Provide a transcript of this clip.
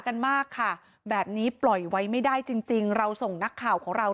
กันมากค่ะแบบนี้ปล่อยไว้ไม่ได้จริงจริงเราส่งนักข่าวของเรา